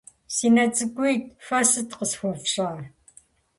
- Си нэ цӏыкӏуитӏ, фэ сыт къысхуэфщӏа?